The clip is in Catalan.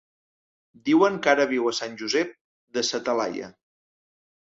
Diuen que ara viu a Sant Josep de sa Talaia.